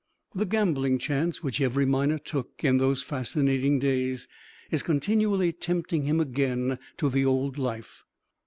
The gambling chance which every miner took in those fascinating days, is continually tempting him again to the old life.